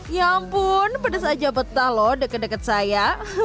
ya ampun pedas aja betah loh deket deket saya